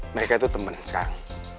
mereka tuh temen sekarang